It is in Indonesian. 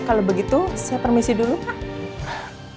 kalau begitu saya permisi dulu pak